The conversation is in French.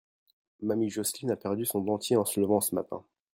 Mamie Joseline a perdu son dentier en se levant ce matin.